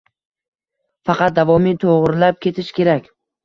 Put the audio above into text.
Faqat davomiy to‘g‘irlab ketish kerak.